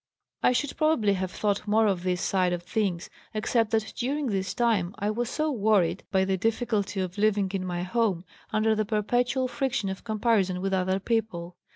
"I should probably have thought more of this side of things except that during this time I was so worried by the difficulty of living in my home under the perpetual friction of comparison with other people.